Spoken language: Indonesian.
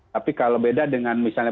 tapi kalau beda dengan misalnya